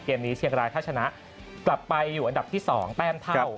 นี้เชียงรายถ้าชนะกลับไปอยู่อันดับที่๒แต้มเท่า